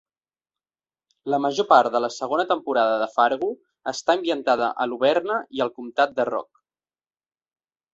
La major part de la segona temporada de "Fargo" està ambientada a Luverne i el comtat de Rock.